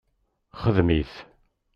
Xdem-it